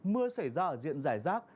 mưa xảy ra ở diện giải rác